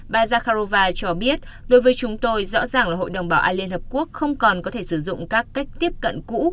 bà zakharova cho biết đối với chúng tôi rõ ràng là hội đồng bảo an liên hợp quốc không còn có thể sử dụng các cách tiếp cận cũ